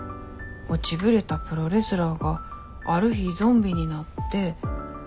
落ちぶれたプロレスラーがある日ゾンビになって。